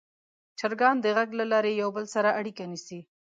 چرګان د غږ له لارې یو بل سره اړیکه نیسي.